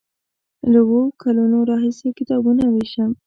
له اوو کلونو راهیسې کتابونه ویشم.